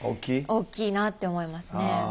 大きいなって思いますね。